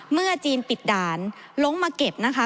จีนปิดด่านลงมาเก็บนะคะ